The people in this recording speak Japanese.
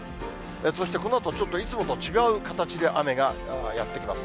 そしてこのあと、ちょっといつもとは違う形で雨がやって来ます。